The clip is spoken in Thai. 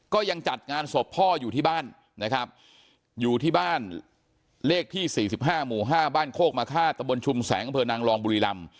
ก็ยังจัดงานสบพ่ออยู่ที่บ้านนะครับอยู่ที่บ้านเลขที่สี่สิบห้าหมู่ห้าบ้านโคกมาฆ่าตะบลชุมแสงเผอนางรองบุรีรำ